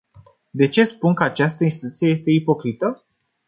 De ce spun că această instituție este ipocrită?